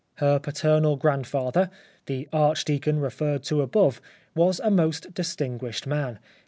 Her paternal grandfather, the Archdeacon re ferred to above, was a most distinguished man.